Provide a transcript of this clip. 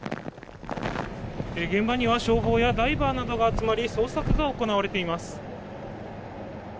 現場には消防やダイバーなどが集まり捜索が行われています。